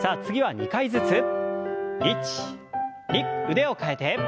腕を替えて。